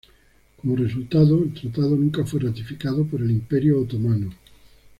Como resultado, el tratado nunca fue ratificado por el Imperio Otomano.